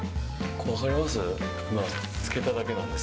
これ分かります？